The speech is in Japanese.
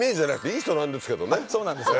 そうなんですよ。